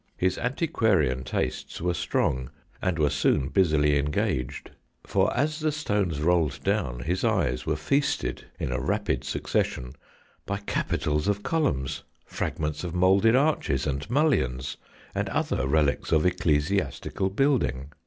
His antiquarian tastes were strong, and were soon busily engaged. For, as the stones rolled down, his eyes were feasted, in a rapid succession, by capitals of columns, fragments of moulded arches and mullions, and other relics of ecclesiastical building.